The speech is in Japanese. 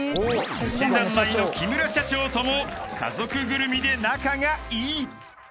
［すしざんまいの木村社長とも家族ぐるみで仲がいい］